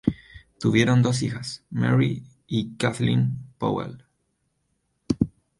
Tuvieron dos hijas, Mary y Kathleen Powell.